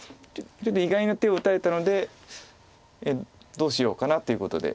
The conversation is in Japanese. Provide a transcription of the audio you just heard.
ちょっと意外な手を打たれたのでどうしようかなっていうことで。